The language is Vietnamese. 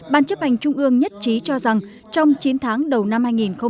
ban chấp hành trung ương nhất trí cho rằng trong chín tháng đầu năm hai nghìn một mươi chín